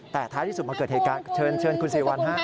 แต่ท้ายที่สุดมาเกิดเหตุการณ์เชิญคุณสิริวัลฮะ